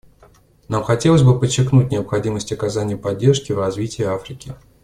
Нам хотелось бы подчеркнуть необходимость оказания поддержки в развитии Африки.